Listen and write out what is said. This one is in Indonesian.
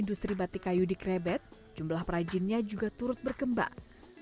industri batik kayu di krebet jumlah perajinnya juga turut berkembang